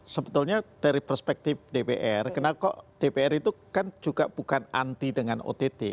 sebetulnya dari perspektif dpr kenapa dpr itu kan juga bukan anti dengan ott